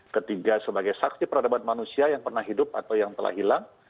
ketiga sebagai saksi peradaban manusia yang pernah hidup atau yang telah hilang